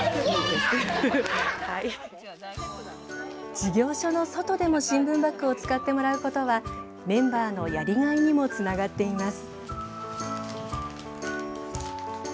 事業所の外でも新聞バッグを使ってもらうことはメンバーのやりがいにもつながっています。